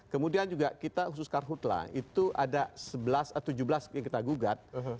kemudian juga kita khusus karhutlah itu ada tujuh belas yang kita gugat